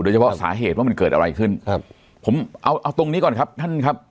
เฉพาะสาเหตุว่ามันเกิดอะไรขึ้นครับผมเอาเอาตรงนี้ก่อนครับท่านครับ